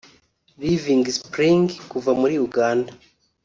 Living Spring kuva muri Uganda